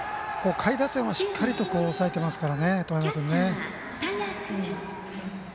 下位打線はしっかりと抑えていますね、當山君。